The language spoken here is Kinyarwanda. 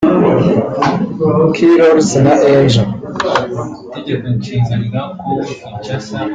K-Rollz na Angel